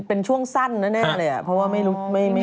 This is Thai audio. เป็นช่วงสั้นแล้วแน่เลยอ่ะเพราะว่าไม่รู้ไม่อยู่